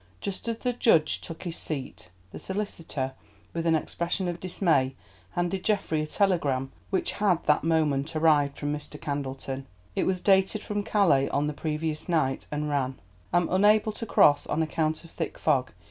Just as the judge took his seat, the solicitor, with an expression of dismay, handed Geoffrey a telegram which had that moment arrived from Mr. Candleton. It was dated from Calais on the previous night, and ran, "Am unable to cross on account of thick fog.